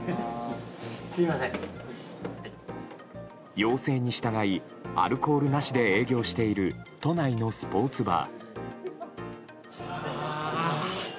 要請に従いアルコールなしで営業している都内のスポーツバー。